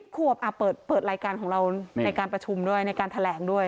ขวบเปิดรายการของเราในการประชุมด้วยในการแถลงด้วย